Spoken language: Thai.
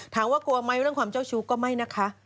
กลัวไหมเรื่องความเจ้าชู้ก็ไม่นะคะ